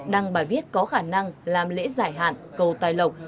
đăng bài viết có khả năng làm lễ giải hạn cầu tài lộc